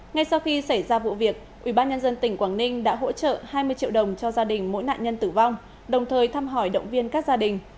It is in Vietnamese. ngay sau khi xảy ra vụ việc ubnd tỉnh quảng ninh đã hỗ trợ hai mươi triệu đồng cho gia đình mỗi nạn nhân tử vong đồng thời thăm hỏi động viên các gia đình